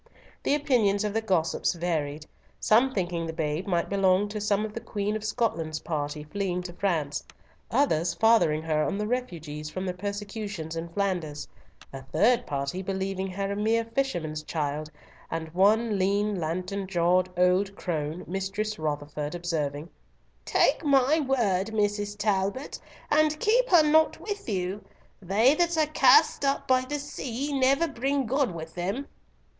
The opinions of the gossips varied, some thinking the babe might belong to some of the Queen of Scotland's party fleeing to France, others fathering her on the refugees from the persecutions in Flanders, a third party believing her a mere fisherman's child, and one lean, lantern jawed old crone, Mistress Rotherford, observing, "Take my word, Mrs. Talbot, and keep her not with you. They that are cast up by the sea never bring good with them."